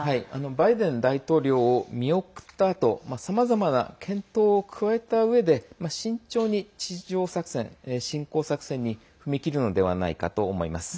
バイデン大統領を見送ったあとさまざまな検討を加えたうえで慎重に地上作戦、侵攻作戦に踏み切るのではないかと思います。